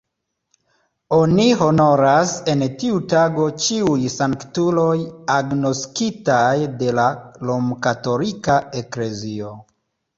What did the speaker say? Oni honoras en tiu tago ĉiuj sanktuloj agnoskitaj de la romkatolika eklezio.